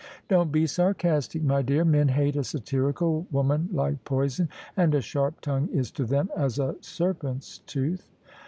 "Don't be sarcastic, my dear. Men hate a satirical woman like poison : and a sharp tongue is to them as a ser pent's tooth."